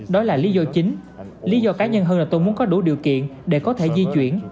đó là lý do chính lý do cá nhân hơn là tôi muốn có đủ điều kiện để có thể di chuyển